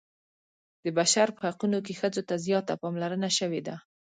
د بشر په حقونو کې ښځو ته زیاته پاملرنه شوې ده.